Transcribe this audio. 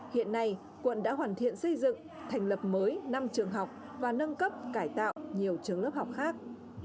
hiện nay quận đã hoàn thiện xây dựng thành lập mới năm trường học và nâng cấp cải tạo nhiều trường lớp học khác